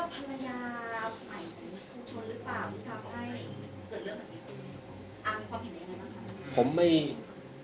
ที่ทำให้เกิดเรื่องแบบนี้อ้าวมีความเห็นยังไงบ้างครับ